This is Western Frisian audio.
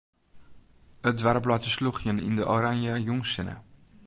It doarp leit te slûgjen yn 'e oranje jûnssinne.